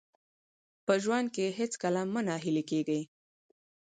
په ژوند کې هېڅکله مه ناهیلي کېږئ.